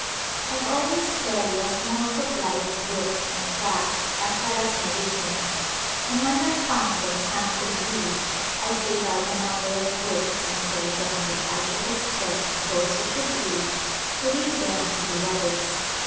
I always carry a small supply of books and tracts as well as medicines, and when I found that some could read I gave out a number of books and told them that I should expect those who could read to read them to the others.